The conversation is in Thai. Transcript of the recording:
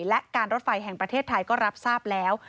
และการรถไฟแห่งประเทศไทยก็รับทราบแล้ว